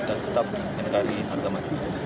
dan tetap mencari agama